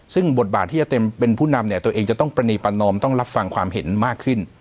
ซึ่งบทบาทที่จะเต็มเป็นผู้นำเนี่ยตัวเองจะต้องประณีประนอมต้องรับฟังความเห็นมากขึ้น